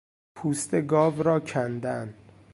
پوست گاو را کندن